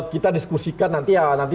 kita diskusikan nanti ya nanti